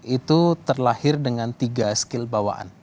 itu terlahir dengan tiga skill bawaan